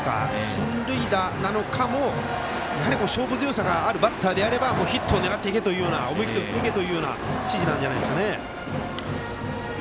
進塁打なのかも勝負強さのあるバッターに対してはヒットを狙っていけ思い切って打っていけというような指示なんじゃないでしょうかね。